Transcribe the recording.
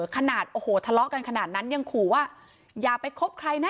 ขนาดโอ้โหทะเลาะกันขนาดนั้นยังขู่ว่าอย่าไปคบใครนะ